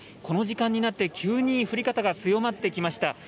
この時間になって急に降り方が強まってきました。